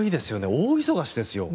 大忙しですよ。